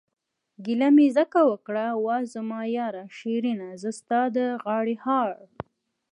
گيله مې ځکه اوکړه وا زما ياره شيرينه، زه ستا د غاړې هار...